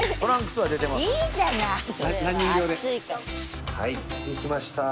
暑いと」はいできました！